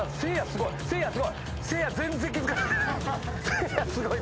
せいやすごい。